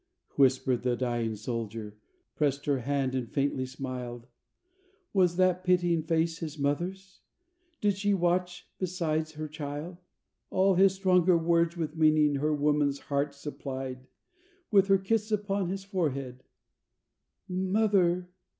Whisper'd low the dying soldier, press'd her hand and faintly smiled. Was that pitying face his mother's? Did she watch besides her child? All his stronger words with meaning her woman's heart supplied; With her kiss upon his forehead, "Mother!"